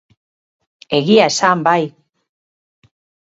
Egia esan, bai.